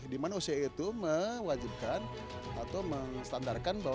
di mana oeca itu mewajibkan atau menstandarkan bahwa